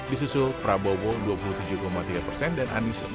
disusul prabowo dua puluh tujuh tiga persen dan anis dua puluh dua enam persen